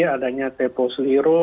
adanya tempo selero